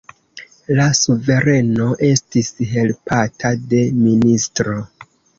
La suvereno estis helpata de ministro.